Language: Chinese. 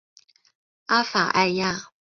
阿法埃娅。